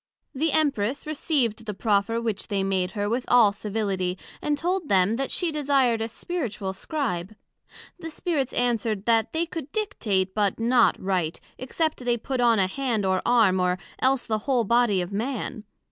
The Empress received the proffer which they made her, with all civility; and told them, that she desired a Spiritual Scribe. The Spirits answer'd, That they could dictate, but not write, except they put on a hand or arm, or else the whole body of Man.